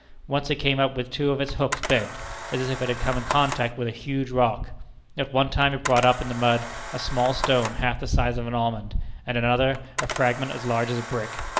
Once it came up with two of its hooks bent, as if it had come in contact with a huge rock. At one time it brought up in the mud a small stone half the size of an almond; and at another a fragment as large as a brick.